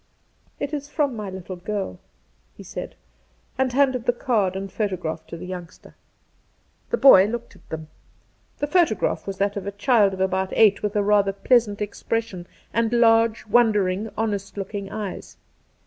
,' It is from my little girl,' he said, and handed the card and photograph to the youngster. The boy looked at them. The photograph was that of a child of about eight, with a rather pleasant expression and large, wondering, honest looking eyes.